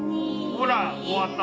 ほら終わった！